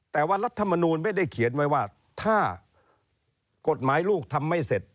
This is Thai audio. แต่ว่ารัฐมนูลไม่ได้เขียนไว้ว่าถ้ากฎหมายลูกทำไม่เสร็จ